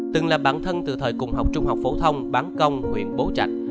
từng là bản thân từ thời cùng học trung học phổ thông bán công huyện bố trạch